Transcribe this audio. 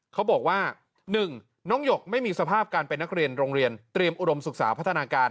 เขาบอกว่า๑น้องหยกไม่มีสภาพการเป็นนักเรียนโรงเรียนเตรียมอุดมศึกษาพัฒนาการ